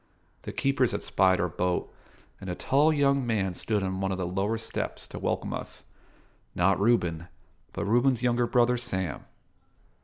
The keepers had spied our boat, and a tall young man stood on one of the lower steps to welcome us: not Reuben, but Reuben's younger brother Sam.